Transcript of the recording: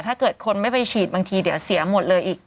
ถ้าเกิดคนไม่ไปฉีดบางทีเดี๋ยวเสียหมดเลยอีก